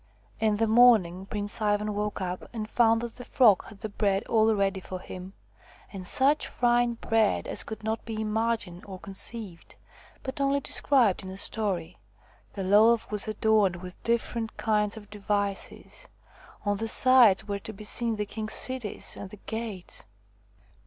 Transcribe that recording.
' In the morning Prince Ivan woke up and found that the Frog had the bread all ready for him, and such fine bread as could not be imagined or con ceived, but only described in a story. The loaf was adorned with different kinds of devices : on the sides were to be seen the king's cities and the gates.